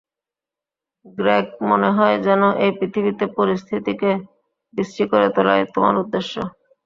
Greg, মনে হয় যেন এই পৃথিবীতে পরিস্থিতিকে বিশ্রী করে তোলাই তোমার উদ্দেশ্য।